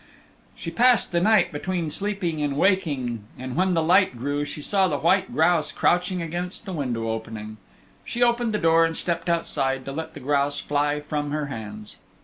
She passed the night between sleeping and waking, and when the light grew she saw the white grouse crouching against the window opening. She opened the door and stepped outside to let the grouse fly from her hands.